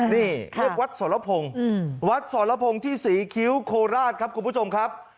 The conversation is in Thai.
นี่เรียกวัดสรพงศ์วัดสรพงศ์ที่ศรีคิ้วโคราชครับคุณผู้ชมครับ